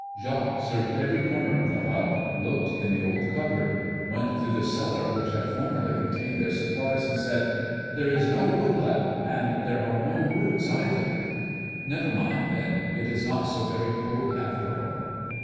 Jacques searched every corner of the hut, looked in the old cupboard, went through the cellar which had formerly contained their supplies, and said, "There is no wood left; and there are no roots either." "Never mind, then. It is not so very cold, after all."